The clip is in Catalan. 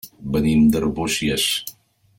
Venim d'Arbúcies.